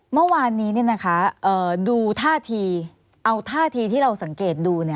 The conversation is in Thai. เมื่อวานนี้ดูท่าทีเอาท่าทีที่เราสังเกตดู